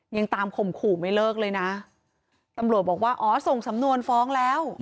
ยังตามข่มขู่ไม่เลิกเลยนะตำรวจบอกว่าอ๋อส่งสำนวนฟ้องแล้ว